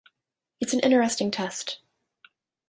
It's an interesting test.